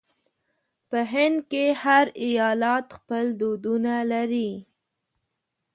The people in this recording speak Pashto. په هند کې هر ایالت خپل دودونه لري.